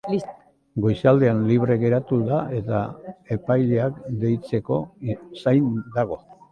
Goizaldean libre geratu da, eta epaileak deitzeko zain dago.